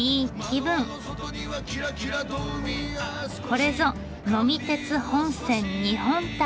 これぞ「呑み鉄本線・日本旅」！